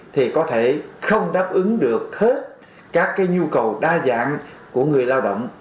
thì có thể không đáp ứng được hết các nhu cầu đa dạng của người lao động